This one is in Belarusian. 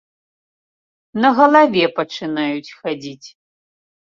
На галаве пачынаюць хадзіць.